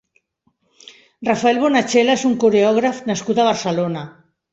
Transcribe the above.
Rafael Bonachela és un coreògraf nascut a Barcelona.